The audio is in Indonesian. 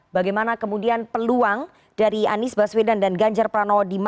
bagaimana kemudian peluang dari anies baswedan dan ganjar pranowo